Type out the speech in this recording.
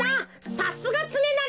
さすがつねなり。